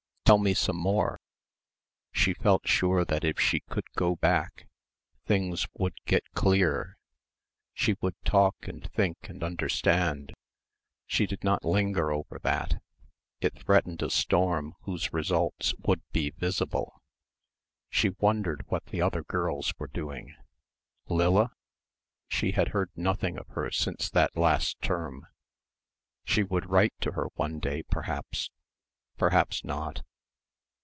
Tell me some more.... She felt sure that if she could go back, things would get clear. She would talk and think and understand.... She did not linger over that. It threatened a storm whose results would be visible. She wondered what the other girls were doing Lilla? She had heard nothing of her since that last term. She would write to her one day, perhaps. Perhaps not....